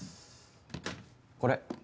これ。